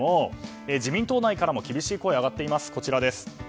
自民党内からも厳しい声が上がっています。